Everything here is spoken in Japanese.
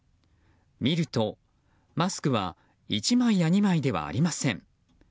見ると、マスクは１枚や２枚ではありません。